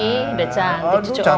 ih udah cantik cuci omang